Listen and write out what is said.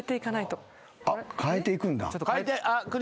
変えていくんだ。